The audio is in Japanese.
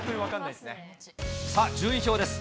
さあ、順位表です。